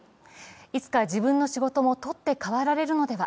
いつか自分の仕事も取って代わられるのでは。